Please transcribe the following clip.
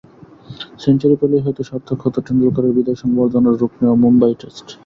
Century পেলেই হয়তো সার্থক হতো টেন্ডুলকারের বিদায় সংবর্ধনায় রূপ নেওয়া মুম্বাই টেস্ট।